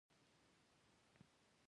کاناډا د انرژۍ اداره لري.